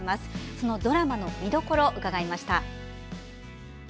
そのドラマの見どころを伺いました。